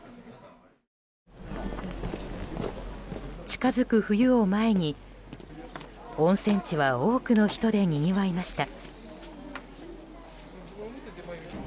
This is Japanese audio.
近づく冬を前に、温泉地は多くの人でにぎわいました。